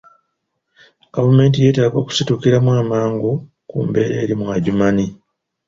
Gavumenti yeetaaga okusitukiramu amangu ku mbeera eri mu Adjumani